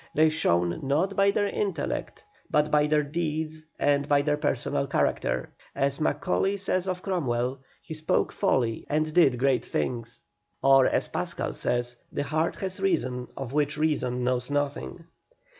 They shone not by their intellect, but by their deeds and by their personal character. As Macaulay says of Cromwell, he spoke folly and did great things. Or, as Pascal says, the heart has reason of which reason knows nothing.